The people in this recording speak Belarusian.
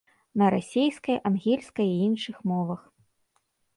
На расейскай, ангельскай і іншых мовах.